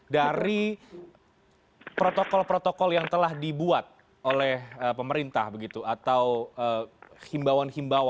dari protokol protokol yang telah dibuat oleh pemerintah begitu atau himbauan himbauan